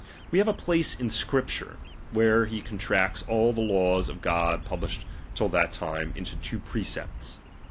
We have a place in Scripture, where he contracts all the laws of God published till that time, into two precepts.